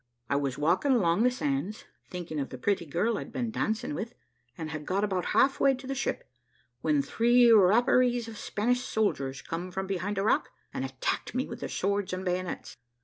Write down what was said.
I was walking along the sands, thinking of the pretty girl I'd been dancing with, and had got about half way to the ship, when three rapparees of Spanish soldiers come from behind a rock, and attacked me with their swords and bayonets.